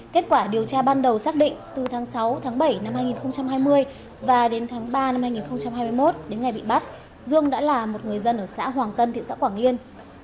kết quả điều tra ban đầu xác định từ tháng sáu tháng bảy năm hai nghìn hai mươi và đến tháng ba năm hai nghìn hai mươi một đến ngày bị bắt dương đã là một người dân ở xã hoàng tân thị xã quảng yên